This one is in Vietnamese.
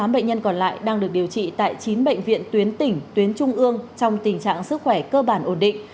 tám bệnh nhân còn lại đang được điều trị tại chín bệnh viện tuyến tỉnh tuyến trung ương trong tình trạng sức khỏe cơ bản ổn định